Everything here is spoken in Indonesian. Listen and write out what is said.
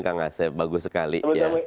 kang asef bagus sekali